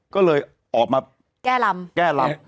ก็เลยออกมาแก้ลำ